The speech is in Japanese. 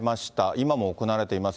今も行われています。